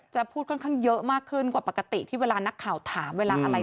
พูดค่อนข้างเยอะมากขึ้นกว่าปกติที่เวลานักข่าวถามเวลาอะไร